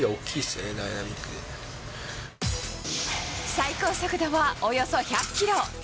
最高速度は、およそ１００キロ。